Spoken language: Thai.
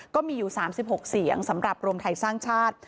ก็มีอยู่๓๖เสียงสำหรับรวมไทยสร้างชาติ